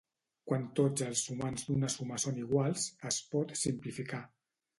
Quan tots els sumands d'una suma són iguals, es pot simplificar.